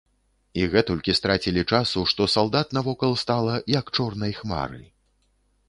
І гэтулькі страцілі часу, што салдат навокал стала, як чорнай хмары.